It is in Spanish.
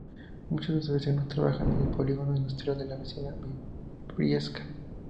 Muchos de sus vecinos trabajan en el polígono industrial de la vecina Briviesca.